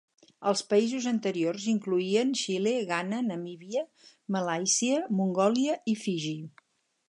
Els països anteriors incloïen Xile, Ghana, Namíbia, Malàisia, Mongòlia i Fiji.